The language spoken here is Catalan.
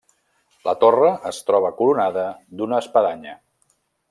La torre es troba coronada d'una espadanya.